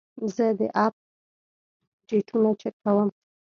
زه د اپ ډیټونه چک کوم.